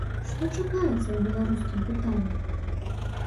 Што чакаецца ў беларускім пытанні?